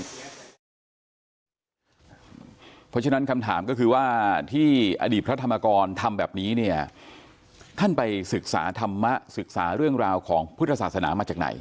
เพราะฉะนั้นคำถามก็คือว่าที่อดีตพระธรรมกรทำแบบนี้เนี่ยท่านไปศึกษาธรรมะศึกษาเรื่องราวของพุทธศาสนามาจากไหน